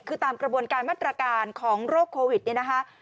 คือตามกระบวนการมาตรการของโรคโควิดเนี่ยนะคะ